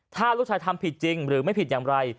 ถ้าลูกชายทำผิดจริงหรือไม่ผิดอย่างไร